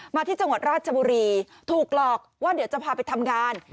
ที่จังหวัดราชบุรีถูกหลอกว่าเดี๋ยวจะพาไปทำงาน